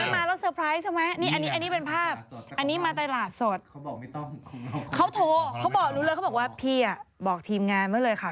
คนที่ไม่ชอบกินของหวานแบบไม่ชอบกินเค้กอะ